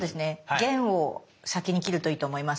弦を先に切るといいと思います。